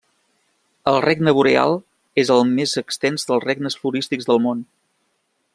El regne Boreal és el més extens dels regnes florístics del món.